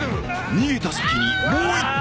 ［逃げた先にもう１体］